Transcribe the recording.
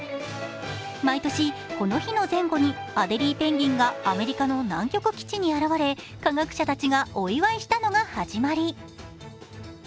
毎年、この日の前後にアデリーペンギンがアメリカの南極基地に現れ、科学者たちがお祝いしたのが始まり。